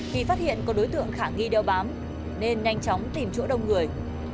khi phát hiện có đối tượng khả nghi đeo bám nên nhanh chóng tìm chỗ đông người